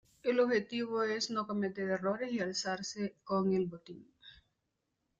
El objetivo es no cometer errores y alzarse con el botín.